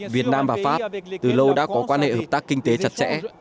việt nam và pháp từ lâu đã có quan hệ hợp tác kinh tế chặt chẽ